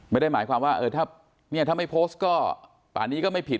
ไม่ได้หมายความว่าถ้าไม่โพสต์ก็ป่านนี้ก็ไม่ผิด